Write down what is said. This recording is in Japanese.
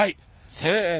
せの！